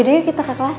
yaudah yuk kita ke kelas